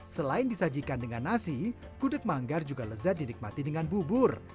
selain disajikan dengan nasi gudeg manggar juga lezat dinikmati dengan bubur